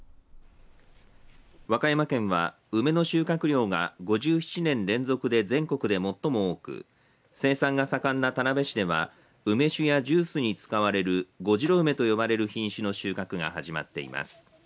和歌山県は、梅の収穫量が５７年連続で全国で最も多く生産が盛んな田辺市では梅酒やジュースに使われる五城梅と呼ばれる梅の品種の収穫が始まっています。